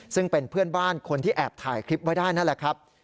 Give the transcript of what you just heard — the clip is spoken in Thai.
ซึ่งเป็นเพื่อนบ้านคนที่แอบถ่ายคลิปไว้ได้นั่นแหละครับ